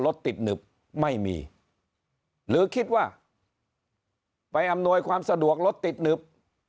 รถติดหนึบไม่มีหรือคิดว่าไปอำนวยความสะดวกรถติดหนึบ